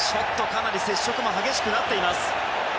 かなり接触も激しくなっています。